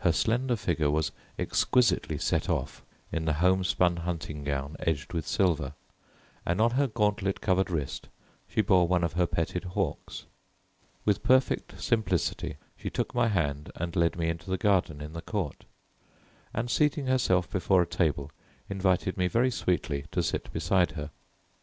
Her slender figure was exquisitely set off in the homespun hunting gown edged with silver, and on her gauntlet covered wrist she bore one of her petted hawks. With perfect simplicity she took my hand and led me into the garden in the court, and seating herself before a table invited me very sweetly to sit beside her.